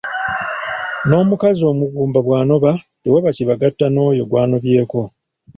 N’omukazi omugumba bw’anoba tewaba kibagatta n’oyo gw’anobyeko.